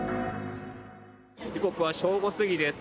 時刻は正午過ぎです。